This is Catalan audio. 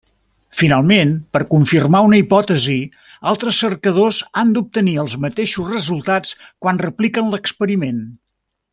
Finalment, per confirmar una hipòtesi, altres cercadors han d'obtenir els mateixos resultats, quan repliquen l'experiment.